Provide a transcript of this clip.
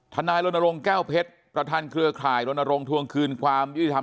ทนายรนโรงแก้วเพชรประธานเครือข่ายรนโรงทวงคืนความยุธรรม